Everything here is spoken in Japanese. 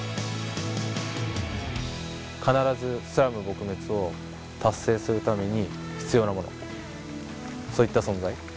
必ずスラム撲滅を達成するために、必要なもの、そういった存在。